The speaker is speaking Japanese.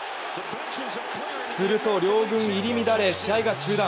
すると両軍入り乱れ試合が中断。